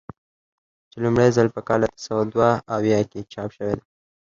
چې لومړی ځل په کال اته سوه دوه اویا کې چاپ شوی دی.